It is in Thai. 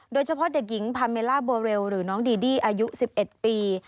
โดยเฉพาะเด็กหญิงพาเมล่าโบเรลหรือน้องดีดี้อายุ๑๑ปี